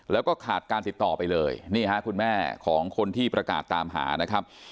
แล้วก็ขาดการติดต่อไปเลยนี่ฮะคุณแม่ของคนที่ประกาศตามหานะครับ